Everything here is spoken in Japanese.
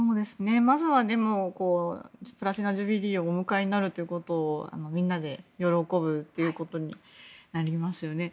まずはでもプラチナジュビリーをお迎えになるということをみんなで喜ぶということになりますよね。